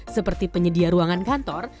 seperti penyedia ruangan kantor